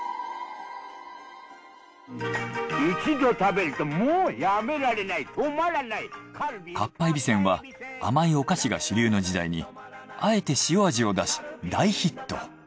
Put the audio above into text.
一度食べるともうやめられない止まらないかっぱえびせんは甘いお菓子が主流の時代にあえて塩味を出し大ヒット。